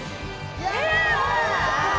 え